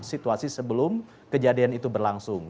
situasi sebelum kejadian itu berlangsung